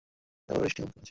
এবারও বৃষ্টি অব্যাহত রয়েছে।